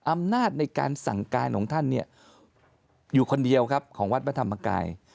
อำนาจในการสั่งการของท่านเนี่ยอยู่คนเดียวครับของวัดพระธรรมกาย